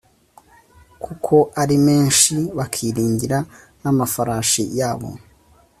kuko ari menshi bakiringira n amafarashi yabo